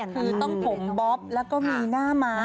คือต้องผมบ๊อบแล้วก็มีหน้าม้า